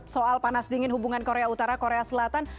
soal panas dingin hubungan korea utara korea selatan